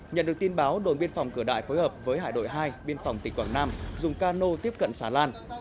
nhận được tin báo đồn biên phòng cửa đại phối hợp với hải đội hai biên phòng tỉnh quảng nam dùng cano tiếp cận xà lan